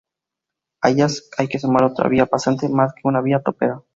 A ellas hay que sumar otra vía pasante más y una vía topera.